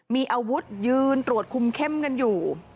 มีอาวุธยืนตรวจคุมเข้มกันอยู่